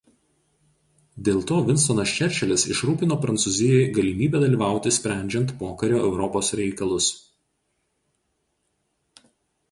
Dėl to Vinstonas Čerčilis išrūpino Prancūzijai galimybę dalyvauti sprendžiant pokario Europos reikalus.